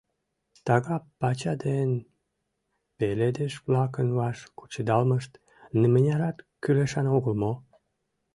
Тага пача ден пеледыш-влакын ваш кучедалмышт нимынярат кӱлешан огыл мо?